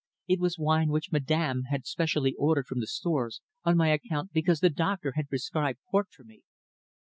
It was wine which Madame had specially ordered from the stores on my account because the doctor had prescribed port for me.